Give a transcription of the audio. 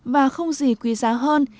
và không gì quý giá hơn